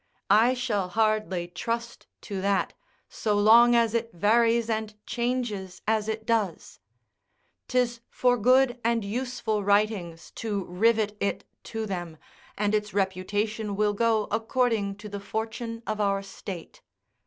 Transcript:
I shall hardly trust to that, so long as it varies and changes as it does. 'Tis for good and useful writings to rivet it to them, and its reputation will go according to the fortune of our state.